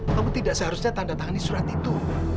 kamu tidak seharusnya tanda tangan di surat itu